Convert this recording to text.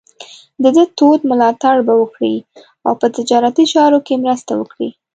د ده تود ملاتړ به وکړي او په تجارتي چارو کې مرسته وکړي.